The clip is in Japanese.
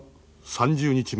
３０日目